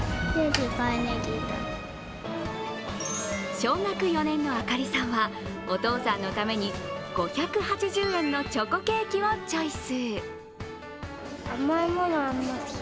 小学４年のあかりさんはお父さんのために５８０円のチョコケーキをチョイス。